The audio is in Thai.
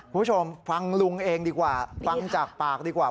คุณผู้ชมฟังลุงเองดีกว่าฟังจากปากดีกว่า